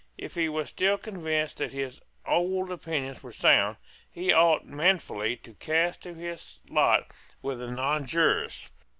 If he was still convinced that his old opinions were sound, he ought manfully to cast in his lot with the nonjurors.